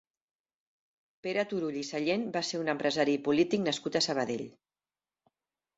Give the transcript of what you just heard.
Pere Turull i Sallent va ser un empresari i polític nascut a Sabadell.